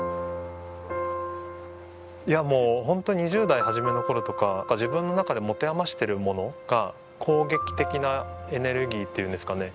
いやもうホント２０代初めの頃とか自分の中で持て余してるものが攻撃的なエネルギーっていうんですかね